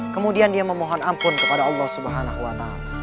kemudian dia memohon ampun kepada allah swt